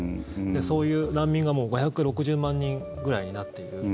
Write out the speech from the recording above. そういう難民がもう５６０万人ぐらいになっている。